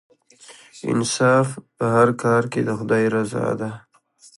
انصاف په هر کار کې د خدای رضا ده.